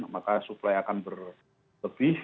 maka supply akan berlebih